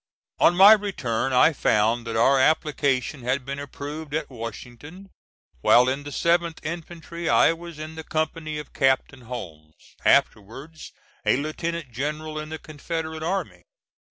On my return, I found that our application had been approved at Washington. While in the 7th infantry I was in the company of Captain Holmes, afterwards a Lieutenant general in the Confederate army.